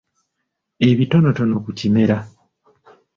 Ebitonotono ku Kimera.